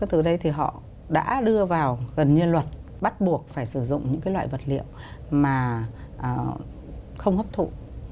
từ đây thì họ đã đưa vào gần như luật bắt buộc phải sử dụng những cái loại vật liệu mà không hấp thụ